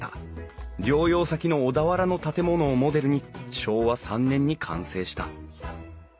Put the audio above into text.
療養先の小田原の建物をモデルに昭和３年に完成した。